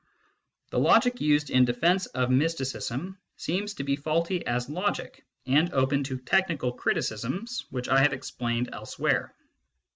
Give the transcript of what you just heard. The logic used in defence of mysticism seems to be faulty as logic, and open to technical criticisms, which 1 have explained elsewhere.